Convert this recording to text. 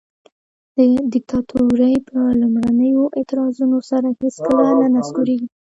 دیکتاتوري په لومړنیو اعتراضونو سره هیڅکله نه نسکوریږي.